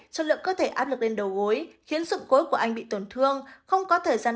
cho lượng cơ thể áp lực lên đầu gối khiến sụn gối của anh bị tổn thương không có thời gian